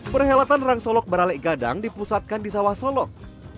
perhelatan rang solok barale gadang dipusatkan di sawah solok